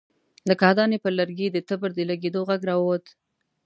له کاهدانې پر لرګي د تبر د لګېدو غږ را ووت.